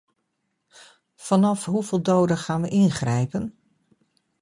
Vanaf hoeveel doden gaan we ingrijpen?